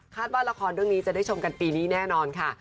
ว่าละครเรื่องนี้จะได้ชมกันปีนี้แน่นอนค่ะ